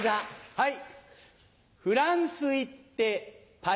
はい！